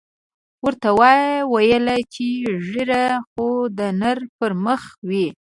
ورته ویې ویل چې ږیره خو د نر پر مخ وي.